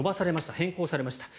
変更されました。